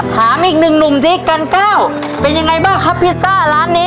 ถามอีกหนึ่งหนุ่มซิกันก้าวเป็นยังไงบ้างครับพิซซ่าร้านนี้